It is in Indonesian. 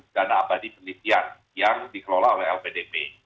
dana abadi penelitian yang dikelola oleh lpdp